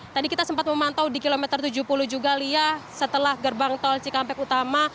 tadi kita sempat memantau di kilometer tujuh puluh juga lia setelah gerbang tol cikampek utama